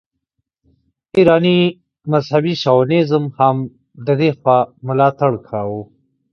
ایراني مذهبي شاونیزم هم د دې خوا ملاتړ کاوه.